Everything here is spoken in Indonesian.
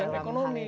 betul dan ekonomi